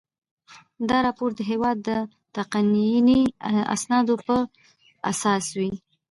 دا راپور د هیواد د تقنیني اسنادو په اساس وي.